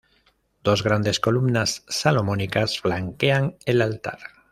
Dos grandes columnas salomónicas flanquean el altar.